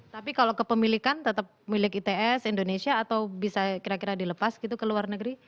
tapi kalau kepemilikan tetap milik its indonesia atau bisa kira kira dilepas gitu ke luar negeri